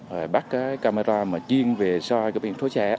rồi bắt cái camera mà chuyên về xoay các biển số xe